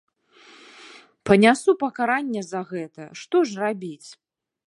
Панясу пакаранне за гэта, што ж рабіць.